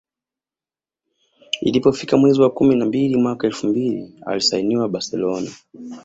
Ilipofika mwezi wa kumi na mbili mwaka elfu mbili alisainiwa Barcelona